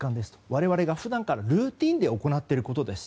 我々が普段からルーティンで行っていることです。